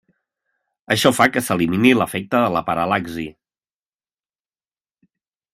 Això fa que s'elimini l'efecte de la paral·laxi.